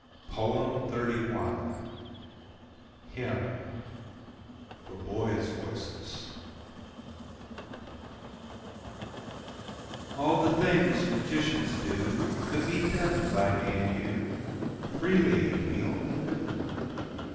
XXXI. Hymn (For Boys' Voices) All the things magicians do Could be done by me and you Freely, if we only knew.